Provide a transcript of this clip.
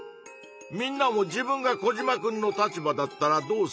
みんなも自分がコジマくんの立場だったらどうするか？